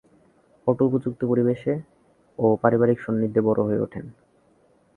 Auto উপযুক্ত পরিবেশে ও পারিবারিক সান্নিধ্যে বড়ো হয়ে উঠেন।